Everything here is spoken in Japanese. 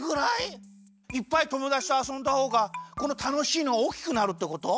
いっぱいともだちとあそんだほうがこのたのしいのがおおきくなるってこと？